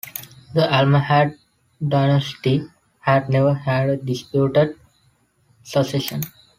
The Almohad dynasty had never had a disputed succession.